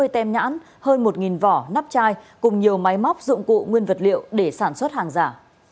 một bảy trăm chín mươi tem nhãn hơn một vỏ nắp chai cùng nhiều máy móc dụng cụ nguyên vật liệu để sản xuất hàng giả